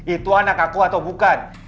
itu anak aku atau bukan